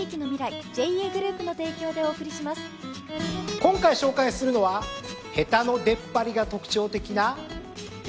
今回紹介するのはヘタの出っ張りが特徴的なデコポン。